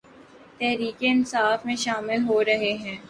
تحریک انصاف میں شامل ہورہےہیں